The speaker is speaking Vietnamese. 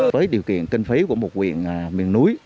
với điều kiện kinh phí của một quyện miền núi